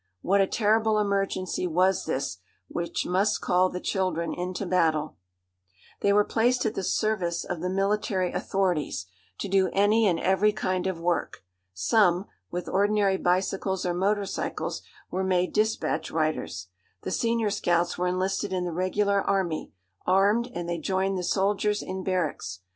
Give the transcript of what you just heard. What a terrible emergency was this, which must call the children into battle! They were placed at the service of the military authorities, to do any and every kind of work. Some, with ordinary bicycles or motorcyles, were made dispatch riders. The senior scouts were enlisted in the regular army, armed, and they joined the soldiers in barracks.